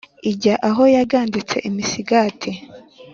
ijya aho yaganditse imisigati,